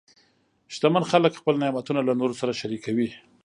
شتمن خلک خپل نعمتونه له نورو سره شریکوي.